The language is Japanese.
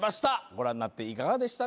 ご覧になっていかがでした？